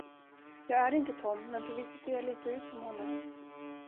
Jag är inte Tom, men förvisso ser jag lite ut som honom.